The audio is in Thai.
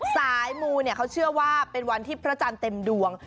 สายมูเขาเชื่อว่าเป็นวันที่พระจันทร์เต็มดวง